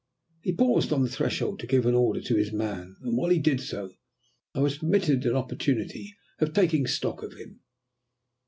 He paused on the threshold to give an order to his man, and while he did so, I was permitted an opportunity of taking stock of him.